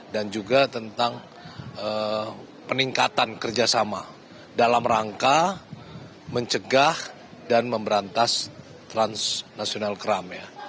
dan juga tentang peningkatan kerjasama dalam rangka mencegah dan memberantas transnasional crime